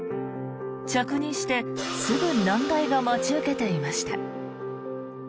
着任してすぐ難題が待ち受けていました。